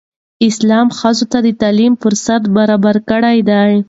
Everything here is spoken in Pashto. اسلام ښځو ته د تعلیم فرصت برابر کړی دی.